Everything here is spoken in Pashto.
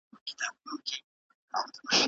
پوهان اوږدمهاله بدلون ته پرمختیا وايي.